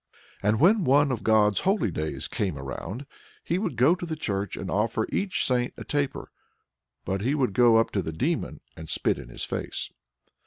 And when one of God's holy days came round, he would go to church and offer each saint a taper; but he would go up to the Demon and spit in his face.